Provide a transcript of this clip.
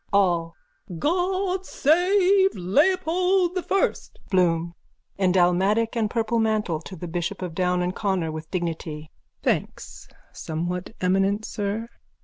ALL: God save Leopold the First! BLOOM: (In dalmatic and purple mantle, to the bishop of Down and Connor, with dignity.) Thanks, somewhat eminent sir.